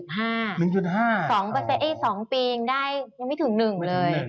๒ปียังได้ยังไม่ถึง๑เลย